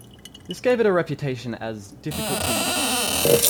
This gave it a reputation as difficult to use.